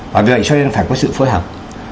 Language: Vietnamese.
và vì vậy cho nên phải có sự phối hợp